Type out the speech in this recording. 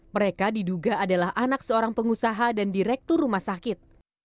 mereka diduga adalah anak seorang pengusaha dan direktur rumah sakit